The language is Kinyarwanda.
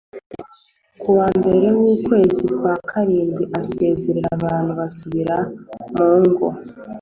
ku wa mbere w’ukwezi kwa karindwi asezerera abantu basubira mu ngo